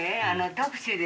タクシーで？